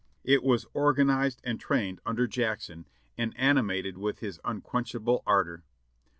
It was organized and trained under Jackson and ani mated with his unquenchable ardor.